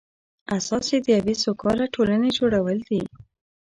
اساس یې د یوې سوکاله ټولنې جوړول دي.